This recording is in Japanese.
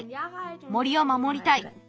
森を守りたい。